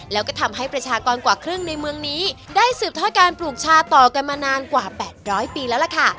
แล้วก็ทำให้ประชากรกว่าครึ่งในเมืองนี้ได้สืบทอดการปลูกชาต่อกันมานานกว่า๘๐๐ปีแล้วล่ะค่ะ